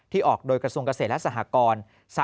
ออกโดยกระทรวงเกษตรและสหกร